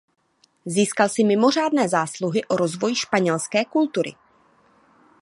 Získal si mimořádné zásluhy o rozvoj španělské kultury.